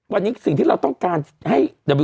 วันนี้สิ่งที่เราต้องการให้